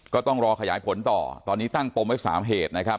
ก็ต้องรอขยายผลต่อตอนนี้ตั้งปมไว้๓เหตุนะครับ